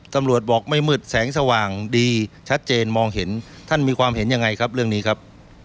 ตำรวจบอกไม่มืดแสงสว่างดีชัดเจนมองเห็นท่านมีความเห็นยังไงครับเรื่องนี้ครับ